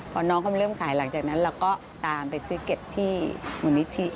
พอน้องเขามาเริ่มขายหลังจากนั้นเราก็ตามไปซื้อเก็บที่มูลนิธิ